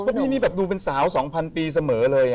เพราะพี่นี่แบบดูเป็นสาว๒๐๐ปีเสมอเลย